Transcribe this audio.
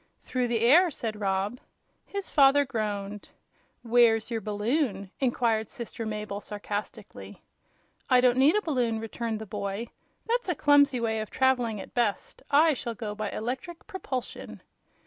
"Through the air," said Rob. His father groaned. "Where's your balloon?" inquired sister Mabel, sarcastically. "I don't need a balloon," returned the boy. "That's a clumsy way of traveling, at best. I shall go by electric propulsion."